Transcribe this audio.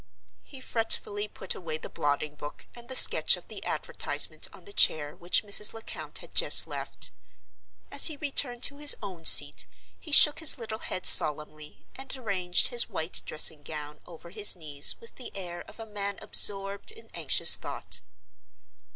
He fretfully put away the blotting book and the sketch of the advertisement on the chair which Mrs. Lecount had just left. As he returned to his own seat, he shook his little head solemnly, and arranged his white dressing gown over his knees with the air of a man absorbed in anxious thought.